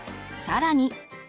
更に。